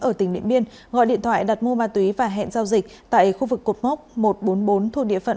ở tỉnh điện biên gọi điện thoại đặt mua ma túy và hẹn giao dịch tại khu vực cột mốc một trăm bốn mươi bốn thuộc địa phận